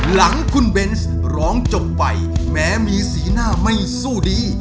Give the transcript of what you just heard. หลังคุณเบนส์ร้องจบไปแม้มีสีหน้าไม่สู้ดี